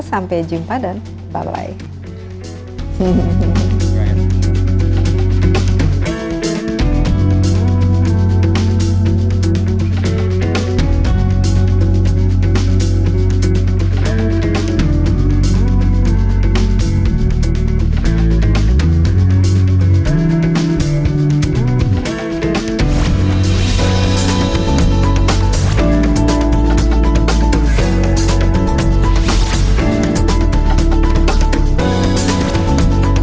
sampai jumpa dan bye bye